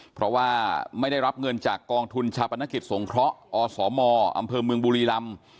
เพราะว่าไม่ได้รับเงินจากกองทุนชาปนกิจสงเคราะห์อสมอำเภอเมืองบุรีรำ